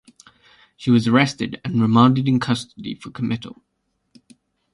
She was arrested and remanded in custody for committal.